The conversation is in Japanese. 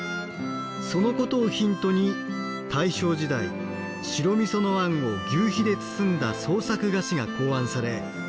そのことをヒントに大正時代白みそのあんを求肥で包んだ創作菓子が考案され